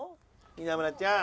稲村ちゃん。